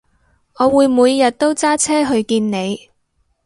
我會每日都揸車去見你